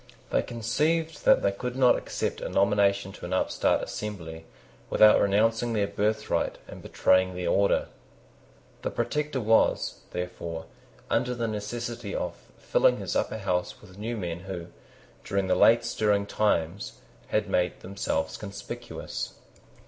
They conceived that they could not accept a nomination to an upstart assembly without renouncing their birthright and betraying their order. The Protector was, therefore, under the necessity of filling his Upper House with new men who, during the late stirring times, had made themselves conspicuous.